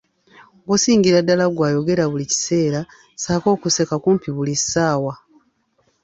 Nkusingira ddala ggwe ayogera buli kiseera, ssaako n'okuseka kumpi buli ssaawa.